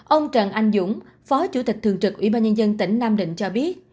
ông trần anh dũng phó chủ tịch thường trực ủy ban nhân dân tỉnh nam định cho biết